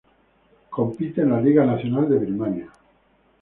Compite en la Liga Nacional de Birmania.